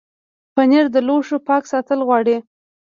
پنېر د لوښو پاک ساتل غواړي.